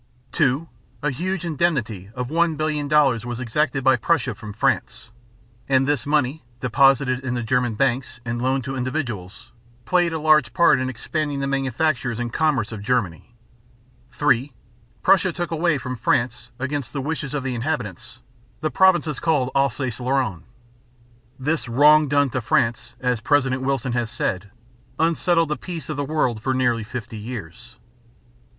(2) A huge indemnity of one billion dollars was exacted by Prussia from France, and this money, deposited in the German banks and loaned to individuals, played a large part in expanding the manufactures and commerce of Germany. (3) Prussia took away from France, against the wishes of the inhabitants, the provinces called Alsace Lorraine. This "wrong done to France," as President Wilson has said, "unsettled the peace of the world for nearly fifty years."